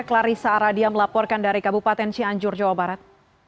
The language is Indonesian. clarissa aradia melaporkan dari kabupaten cianjur jawa barat